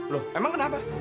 loh emang kenapa